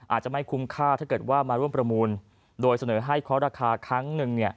อาจจะไม่คุ้มค่าถ้าเกิดว่ามาร่วมประมูลโดยเสนอให้เคาะราคาครั้งหนึ่ง